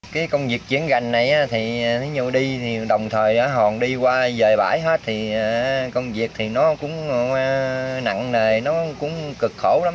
cái công việc chuyển gành này thì đồng thời hòn đi qua dời bãi hết thì công việc thì nó cũng nặng nề nó cũng cực khổ lắm